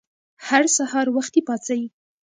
هر سهار وختي پاڅئ!